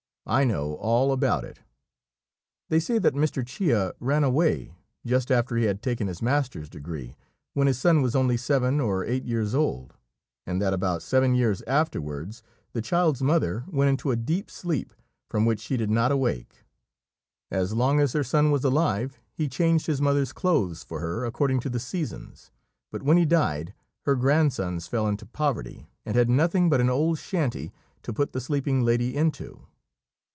I know all about it. They say that Mr. Chia ran away just after he had taken his master's degree, when his son was only seven or eight years old; and that about seven years afterwards the child's mother went into a deep sleep from which she did not awake. As long as her son was alive he changed his mother's clothes for her according to the seasons, but when he died, her grandsons fell into poverty, and had nothing but an old shanty to put the sleeping lady into.